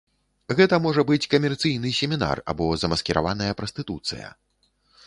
Гэта можа быць камерцыйны семінар або замаскіраваная прастытуцыя.